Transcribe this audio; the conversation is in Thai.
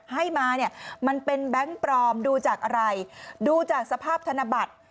ให้มาเนี่ยมันเป็นแบงค์ปลอมดูจากอะไรดูจากสภาพธนบัตร